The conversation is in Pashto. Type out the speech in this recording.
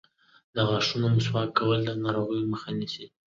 د غاښونو مسواک کول د ناروغیو مخه نیسي.